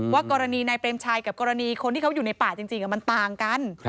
กรณีนายเปรมชัยกับกรณีคนที่เขาอยู่ในป่าจริงมันต่างกัน